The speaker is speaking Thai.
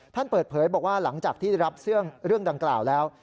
ท่านเปิดเผยบอกว่าหลังจากที่รับเรื่องดังกล่าวแล้ว